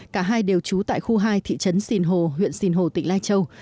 cả hai đều trú tại khu hai thị trấn sinh hồ huyện sinh hồ tỉnh lai châu